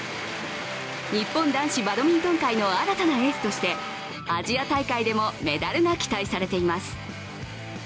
日本男子バドミントン界の新たなエースとしてアジア大会でもメダルが期待されています。